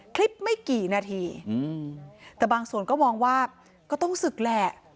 คลิปไม่กี่นาทีแต่บางส่วนก็มองว่าก็ต้องศึกแหละ